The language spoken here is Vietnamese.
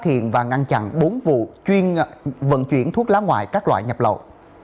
phát hiện và ngăn chặn bốn vụ chuyên vận chuyển thuốc lá ngoại các loại nhập lậu